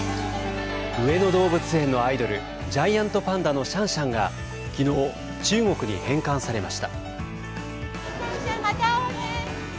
上野動物園のアイドルジャイアントパンダのシャンシャンが昨日中国に返還されました。